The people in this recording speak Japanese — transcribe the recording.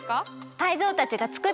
タイゾウたちがつくってくれてるの！